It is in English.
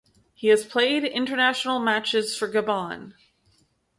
He has played international matches for Gabon.